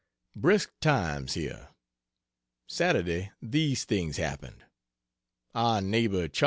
Brisk times here. Saturday, these things happened: Our neighbor Chas.